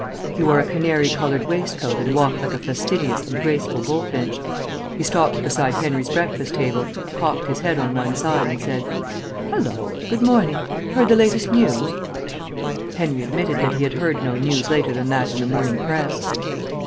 He wore a canary coloured waistcoat and walked like a fastidious and graceful bullfinch. He stopped beside Henry's breakfast table, cocked his head on one side, and said, "Hallo. Good morning. Heard the latest news?" Henry admitted that he had heard no news later than that in the morning press.